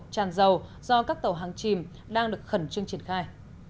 tràn dầu do các tàu hàng chìm đang được khẩn trương triển khai